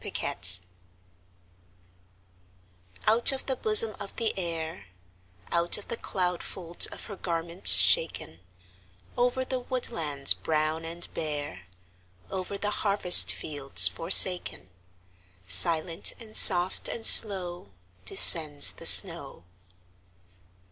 SNOW FLAKES Out of the bosom of the Air, Out of the cloud folds of her garments shaken, Over the woodlands brown and bare, Over the harvest fields forsaken, Silent, and soft, and slow Descends the snow.